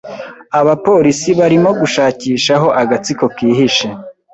Abapolisi barimo gushakisha aho agatsiko kihishe.